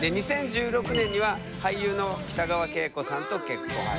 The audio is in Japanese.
２０１６年には俳優の北川景子さんと結婚。